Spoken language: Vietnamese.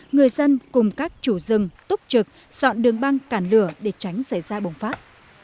người dân cùng các chủ rừng túc trực dọn đường băng cản lửa để tránh xảy ra bùng phát